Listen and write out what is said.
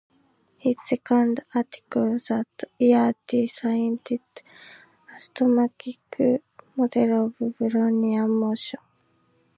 His second article that year delineated a stochastic model of Brownian motion.